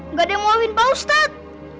gak ada yang maafin pak ustadz